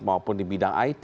maupun di bidang it